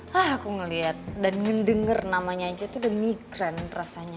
hah aku ngelihat dan mendengar namanya aja itu udah migren rasanya